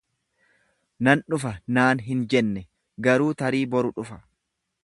Nan dhufa naan hin jenne, garuu tarii boru dhufa.